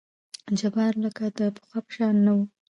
جبار لکه د پخوا په شان نه وو.